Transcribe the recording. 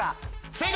正解。